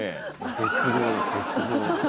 絶望絶望。